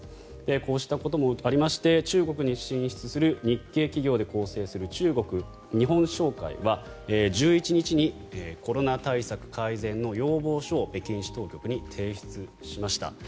こうしたこともありまして中国に進出する日系企業で構成する中国日本商会は１１日コロナ対策改善の要望書を北京市当局に提出しました。